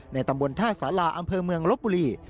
ตำบลท่าสาราอำเภอเมืองลบบุรี